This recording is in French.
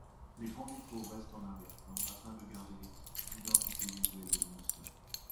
Les grands vitraux restent en arrière-plan afin de garder les identités visuelles de l'émission.